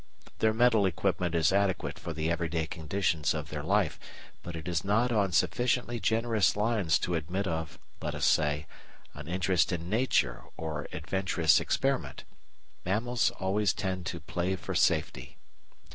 Their mental equipment is adequate for the everyday conditions of their life, but it is not on sufficiently generous lines to admit of, let us say, an interest in Nature or adventurous experiment. Mammals always tend to "play for safety."